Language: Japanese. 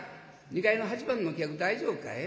２階の８番の客大丈夫かい？